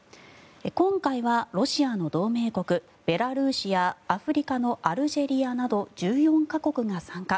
今回はロシアの同盟国、ベラルーシやアフリカのアルジェリアなど１４か国が参加。